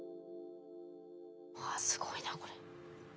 わすごいなこれ。